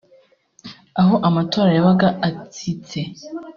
aho amato yabaga atsitse